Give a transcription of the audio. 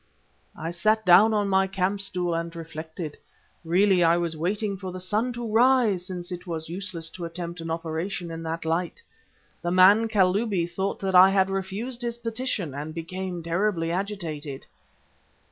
"I sat down on my camp stool and reflected. Really I was waiting for the sun to rise, since it was useless to attempt an operation in that light. The man, Kalubi, thought that I had refused his petition and became terribly agitated.